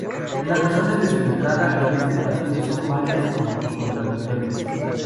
Las razones de su entrada en este partido son varias, aunque contradictorias.